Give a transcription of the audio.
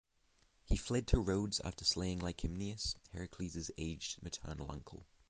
He fled to Rhodes after slaying Licymnius, Heracles' aged maternal uncle.